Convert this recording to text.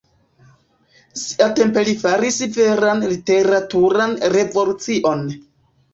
Siatempe li faris veran literaturan revolucion.